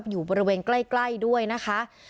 อยู่บริเวณใกล้ด้วยนะคะ